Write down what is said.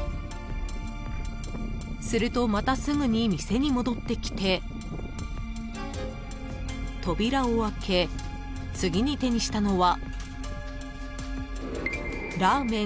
［するとまたすぐに店に戻ってきて扉を開け次に手にしたのは］